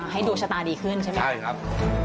ให้ดวงชะตาดีขึ้นใช่ไหมใช่ครับ